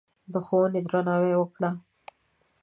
د ښوونې درناوی وکړه.